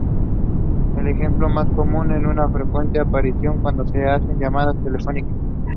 The club rejoined the league in time for the following season.